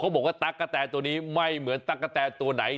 บอกว่าตั๊กกะแตตัวนี้ไม่เหมือนตั๊กกะแตตัวไหน